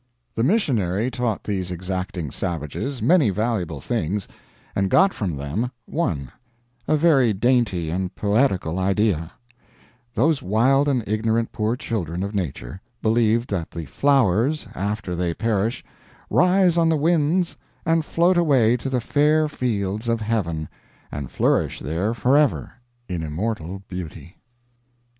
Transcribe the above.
The missionary taught these exacting savages many valuable things, and got from them one a very dainty and poetical idea: Those wild and ignorant poor children of Nature believed that the flowers, after they perish, rise on the winds and float away to the fair fields of heaven, and flourish there forever in immortal beauty!